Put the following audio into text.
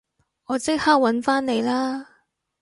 我即刻搵返你啦